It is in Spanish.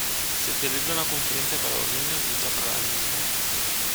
Se celebra una conferencia para los niños y otra para las niñas.